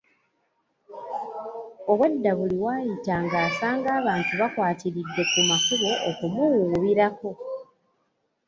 Obwedda buli w'ayita ng'asanga abantu bakwatiridde ku makubo okumuwuubirako.